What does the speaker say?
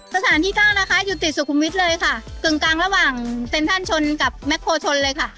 สถานที่เก้านะคะอยู่ติดสุขุมวิทย์เลยค่ะกึ่งกลางระหว่างเซ็นทรัลชนกับแมคโพลชนเลยค่ะ